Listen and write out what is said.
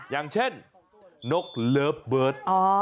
อย่างเช่นนกเลิฟเบิร์ต